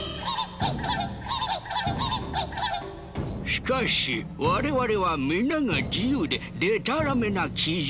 しかし我々は皆が自由ででたらめな奇獣。